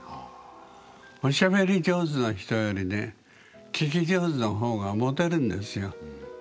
おしゃべり上手な人よりね聞き上手の方がモテるんですよ。